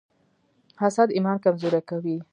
حسد ایمان کمزوری کوي.